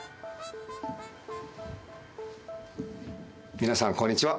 皆さんこんにちは。